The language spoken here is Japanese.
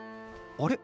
あれ？